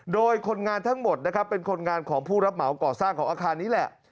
โดยคนงานทั้งหมดนะครับเป็นคนงานของผู้รับเหมาก่อสร้างของอาคารนี้แหละ